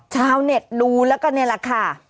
ชาวเน็ตดูแล้วก็นี่แหละค่ะ